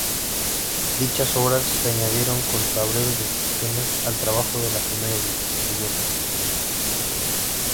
Dichas obras se añadieron junto a breves descripciones al trabajo de la primera edición.